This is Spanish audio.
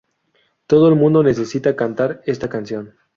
Todo el mundo necesita cantar esta canción".